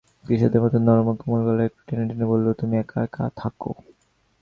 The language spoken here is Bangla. কিশোরীদের মতো নরম ও কোমল গলায় একটু টেনে-টেনে বলল, তুমি এক-একা থাক।